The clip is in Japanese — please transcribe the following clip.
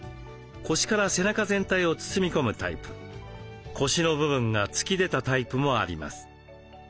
腰から背中全体を包み込むタイプ腰の部分が突き出たタイプもあります。